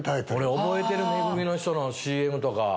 俺覚えてる『め組のひと』のＣＭとか。